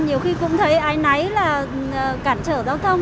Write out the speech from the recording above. nhiều khi cũng thấy ai nấy là cản trở giao thông